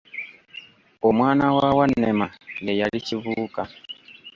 Omwana wa Wannema ye yali Kibuuka.